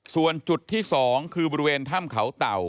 ส่วนจุดที่๒คือบริเวณถ้ำเขาเต่า